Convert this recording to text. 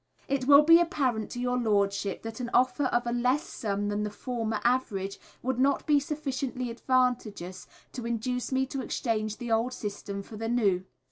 It will be apparent to your Lordship that an offer of a less sum than the former average would not be sufficiently advantageous to induce me to exchange the old system for the new.